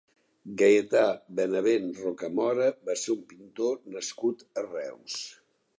Gaietà Benavent Rocamora va ser un pintor nascut a Reus.